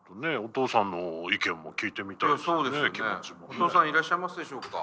お父さんいらっしゃいますでしょうか？